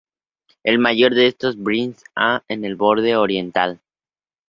El mayor de estos es es "Briggs A" en el borde oriental.